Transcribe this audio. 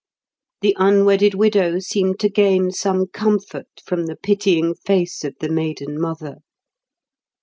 The unwedded widow seemed to gain some comfort from the pitying face of the maiden mother.